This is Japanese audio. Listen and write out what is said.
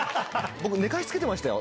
僕寝かしつけてましたよ